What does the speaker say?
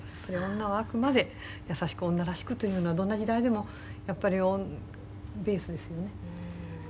女はあくまで優しく女らしくというのがどんな時代でもやっぱりベースですよね。